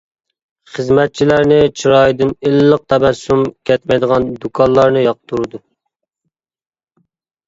خىزمەتچىلەرنى چىرايىدىن ئىللىق تەبەسسۇم كەتمەيدىغان دۇكانلارنى ياقتۇرىدۇ.